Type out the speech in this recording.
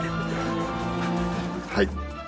はい。